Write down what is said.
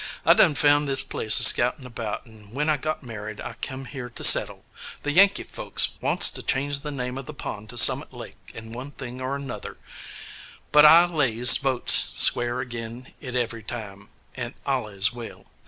I done found this place a scoutin' about, and when I got married I kim yere to settle. The Yankee folks wants to change the name o' the pond to Summit Lake and one thing or 'nother, but I allays votes square agin it every time, and allays will.